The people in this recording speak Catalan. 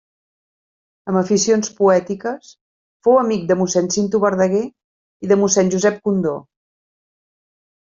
Amb aficions poètiques, fou amic de Mossèn Cinto Verdaguer i de Mossèn Josep Condó.